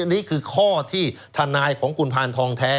นี่คือข้อที่ทนายของคุณพานทองแท้